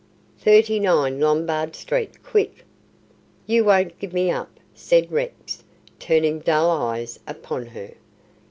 "Thirty nine, Lombard Street. Quick!" "You won't give me up?" said Rex, turning dull eyes upon her.